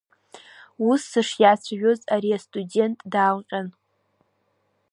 Ус сышиацәажәоз, ари астудент, даалҟьан…